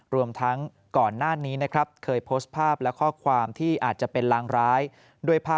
รวมทั้งก่อนหน้านี้นะครับเคยโพสต์ภาพและข้อความที่อาจจะเป็นลางร้ายด้วยภาพ